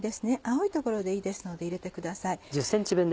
青い所でいいですので入れてください。